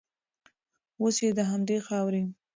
اوس یې د همدې خاورې